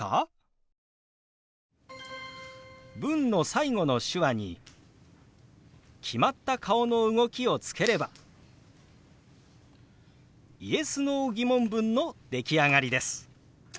文の最後の手話に決まった顔の動きをつければＹｅｓ／Ｎｏー疑問文の出来上がりです。